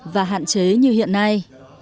và hạn chế như hiện nay